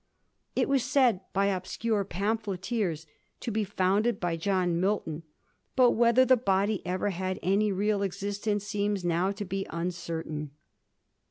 It was said by obscure pamphleteers to be founded by John Milton ; but whether the body ever had any real existence seems now to be uncertain.